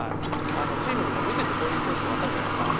チームにも見ていてそういう選手って分かるじゃないですか。